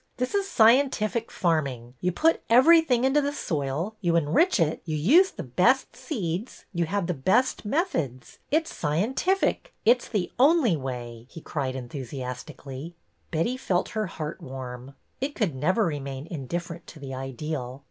This is scientific farming. You put everything into the soil, you enrich it, you use the best seeds, you have the best methods. It 's scien tific. It 's the only way !" he cried enthusiasti cally. Betty felt her heart warm. It could never remain indifferent to the ideal.